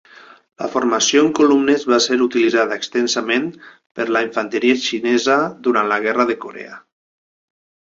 La formació en columnes va ser utilitzada extensament per la infanteria xinesa durant la Guerra de Corea.